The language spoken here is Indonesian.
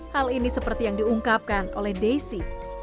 hal ini seperti yang diungkapkan oleh daisy